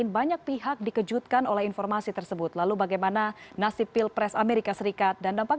bisa mendengar suara kami pak